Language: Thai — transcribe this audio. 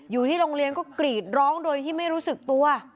อยู่ที่โรงเรียนก็กรีดร้องโดยที่ไม่รู้สึกตัว